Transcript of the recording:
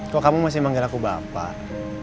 kok kamu masih manggil aku bapak